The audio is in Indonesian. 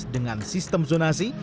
dengan sistem zonasi